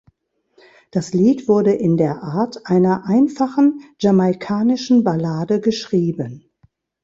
Das Lied wurde in der Art einer einfachen jamaikanischen Ballade geschrieben.